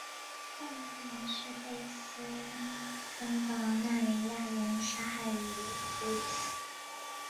但也可能是被斯堪的纳维亚人杀害于福里斯。